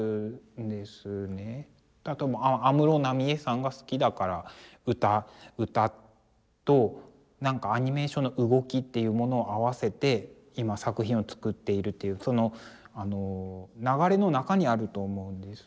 例えば安室奈美恵さんが好きだから歌となんかアニメーションの動きっていうものを合わせて今作品を作っているっていうその流れの中にあると思うんです。